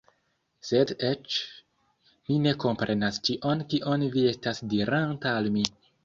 Sed eĉ... Mi ne komprenas ĉion kion vi estas diranta al mi